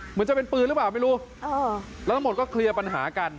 เหมือนจะเป็นปืนหรือเปล่าไม่รู้แล้วทั้งหมดก็เคลียร์ปัญหากัน